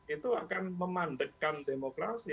itu akan memandekkan demokrasi